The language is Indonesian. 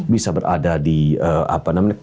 bisa berada di kanal kanal media sosial